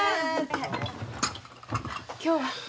今日は？